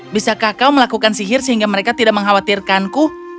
bisakah kau melakukan sihir sehingga mereka tidak mengkhawatirkanku